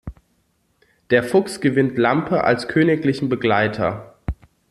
Der Fuchs gewinnt Lampe als königlichen Begleiter.